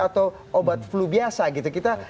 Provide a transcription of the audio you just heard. atau obat flu biasa gitu kita